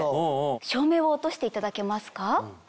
照明を落としていただけますか？